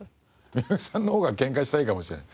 三宅さんの方がケンカしたいかもしれない。